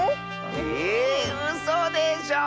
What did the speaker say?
ええうそでしょ